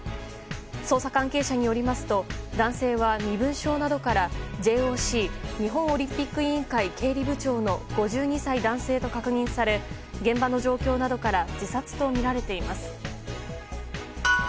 捜査関係者によりますと男性は、身分証などからＪＯＣ・日本オリンピック委員会経理部長の５２歳男性と確認され現場の状況などから自殺とみられています。